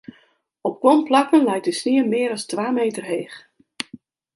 Op guon plakken leit de snie mear as twa meter heech.